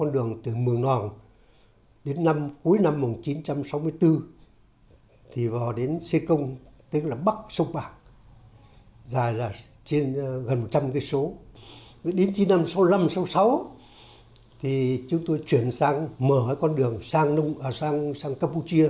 đến năm một nghìn chín trăm sáu mươi năm một nghìn chín trăm sáu mươi sáu chúng tôi chuyển sang mở con đường sang campuchia